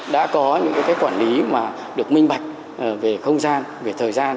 đã có những quản lý được minh bạch về không gian về thời gian